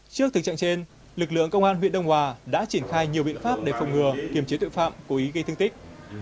trước thực trạng trên lực lượng công an huyện đông hòa đã triển khai nhiều biện pháp để phòng ngừa kiểm chế tội phạm cố ý gây thương tích